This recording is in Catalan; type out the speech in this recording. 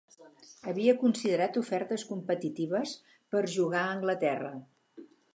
Havia considerat ofertes competitives per jugar a Anglaterra.